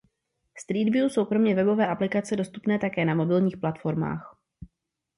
Street View jsou kromě webové aplikace dostupné také na mobilních platformách.